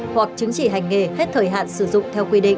hoặc chứng chỉ hành nghề hết thời hạn sử dụng theo quy định